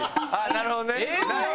「なるほどね」